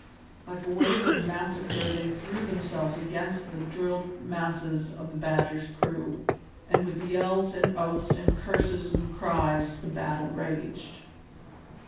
Like a wave of massacre they threw themselves against the drilled masses of the Badger's crew, and with yells and oaths and curses and cries the battle raged.